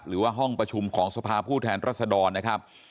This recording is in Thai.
หรือว่าห้องประชุมของสภาผู้แทนรัศดรนะครับ